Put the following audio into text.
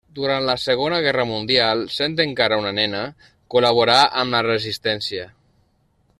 Durant la Segona Guerra mundial, sent encara una nena, col·laborà amb la resistència.